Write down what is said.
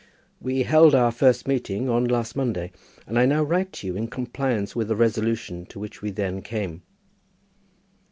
We held our first meeting on last Monday, and I now write to you in compliance with a resolution to which we then came.